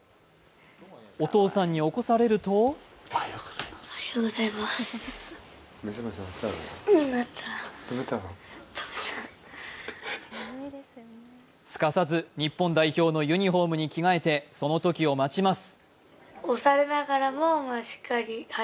お父さんに起こされるとすかさず日本代表のユニフォームに着替えてその時を待ちます。